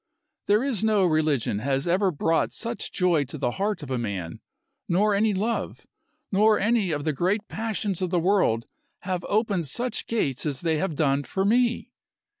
There is no religion has ever brought such joy to the heart of a man, nor any love, nor any of the great passions of the world have opened such gates as they have done for me.